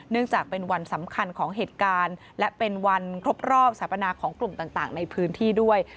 จากเป็นวันสำคัญของเหตุการณ์และเป็นวันครบรอบสัปนาของกลุ่มต่างในพื้นที่ด้วย